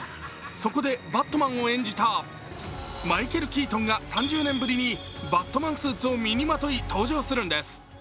そこでバットマンを演じたマイケル・キートンが３０年ぶりにバットマンスーツを身にまとい、登場するんです。